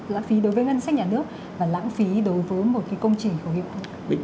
lãng phí đối với ngân sách nhà nước và lãng phí đối với một cái công trình khẩu hiệu không